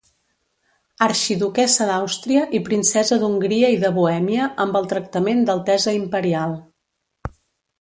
Arxiduquessa d'Àustria i princesa d'Hongria i de Bohèmia amb el tractament d'altesa imperial.